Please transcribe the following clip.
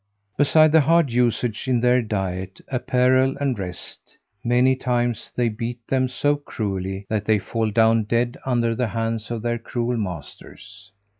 Beside the hard usage in their diet, apparel, and rest, many times they beat them so cruelly, that they fall down dead under the hands of their cruel masters.